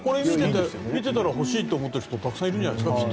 見ていたら欲しいっていう人たくさんいるんじゃないですか。